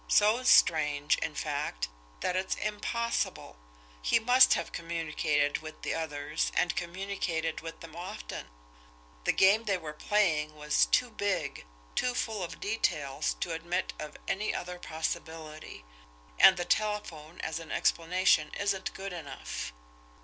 "So strange, in fact, that it's impossible. He must have communicated with the others, and communicated with them often. The game they were playing was too big, too full of details, to admit of any other possibility. And the telephone as an explanation isn't good enough."